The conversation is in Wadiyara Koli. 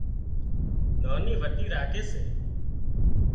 ناني وٽي راکي سي